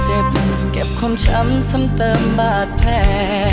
เก็บเก็บความช้ำซ้ำเติมบาดแผล